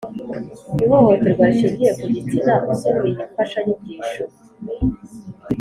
ihohoterwa rishingiye ku gitsina usoma iyi mfashanyigisho,